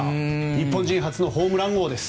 日本人初のホームラン王です。